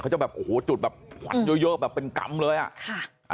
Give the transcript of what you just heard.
เขาจะแบบโอ้โหจุดแบบหวัดเยอะแบบเป็นกำเลยอ่ะ